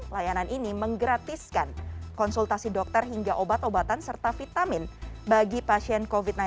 layanan ini menggratiskan konsultasi dokter hingga obat obatan serta vitamin bagi pasien covid sembilan belas